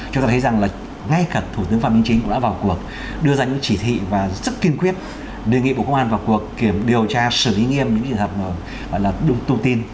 chúng ta thấy rằng là ngay cả thủ tướng phạm vĩnh chính cũng đã vào cuộc đưa ra những chỉ thị và rất kiên quyết đề nghị của công an vào cuộc kiểm điều tra xử lý nghiêm những trường hợp là đúng tu tin